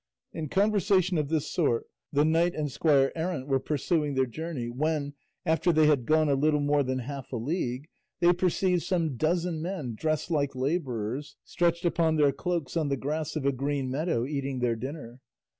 In conversation of this sort the knight and squire errant were pursuing their journey, when, after they had gone a little more than half a league, they perceived some dozen men dressed like labourers stretched upon their cloaks on the grass of a green meadow eating their dinner.